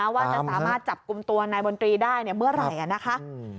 ว่าจะสามารถจับกลุ่มตัวนายมนตรีได้เมื่อไหร่นะคะ